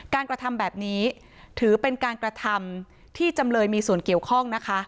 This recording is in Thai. กระทำแบบนี้ถือเป็นการกระทำที่จำเลยมีส่วนเกี่ยวข้องนะคะ